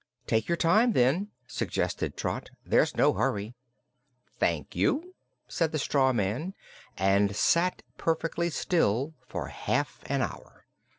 "Take your time, then," suggested Trot. "There's no hurry." "Thank you," said the straw man, and sat perfectly still for half an hour.